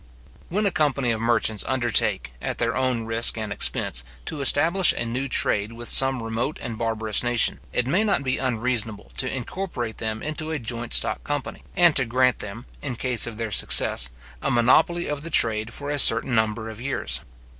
When a company of merchants undertake, at their own risk and expense, to establish a new trade with some remote and barbarous nation, it may not be unreasonable to incorporate them into a joint stock company, and to grant them, in case of their success, a monopoly of the trade for a certain number of years.